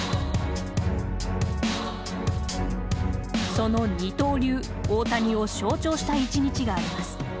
その二刀流大谷を象徴した１日があります。